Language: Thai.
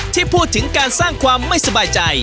ที่พูดถึงการสร้างความไม่สบายใจ